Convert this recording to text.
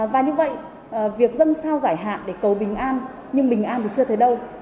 và như vậy việc dân sao giải hạn để cầu bình an nhưng bình an thì chưa thấy đâu